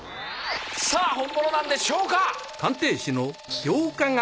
さぁ本物なんでしょうか？